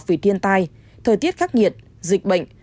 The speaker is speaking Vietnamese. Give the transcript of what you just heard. vì tiên tai thời tiết khắc nghiệt dịch bệnh